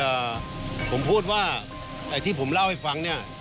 แล้วผมพูดว่าที่ผมเล่าให้ฟังนี่